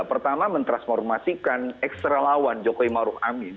pertama mentransformasikan ekstra lawan jokowi maruf amin